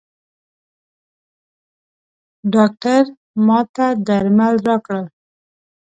ډاکټر ماته درمل راکړل.